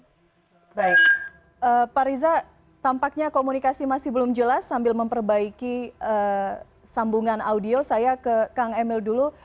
baik pak riza tampaknya komunikasi masih belum jelas sambil memperbaiki sambungan audio saya ke kang emil dulu